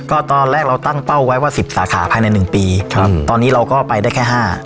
ก็ตอนแรกเราตั้งเป้าไว้ว่าสิบสาขาภายในหนึ่งปีครับตอนนี้เราก็ไปได้แค่ห้า